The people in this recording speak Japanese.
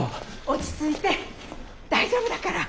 落ち着いて大丈夫だから。